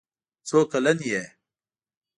څو کلن یې.